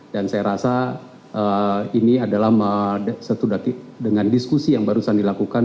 dan saya rasa ini adalah setudaki dengan diskusi yang barusan dilakukan